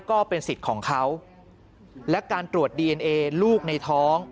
ก็เป็นสิทธิ์ของเขาและการตรวจดีเอนเอลูกในท้อง